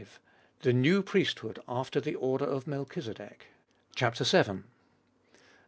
The New Priesthood after the order of Melchizedek (vii.). 6.